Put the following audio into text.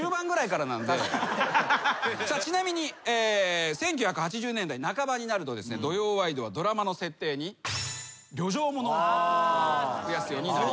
ちなみに１９８０年代半ばになると『土曜ワイド』はドラマの設定に旅情ものを増やすようになりました。